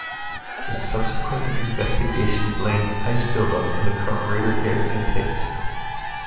The subsequent investigation blamed ice buildup in the carburator air intakes.